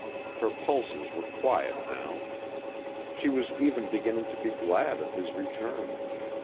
Her pulses were quiet now. She was even beginning to be glad of his return.